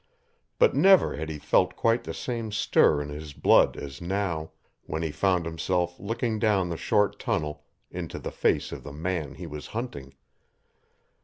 But never had he felt quite the same stir in his blood as now when he found himself looking down the short tunnel into the face of the man he was hunting.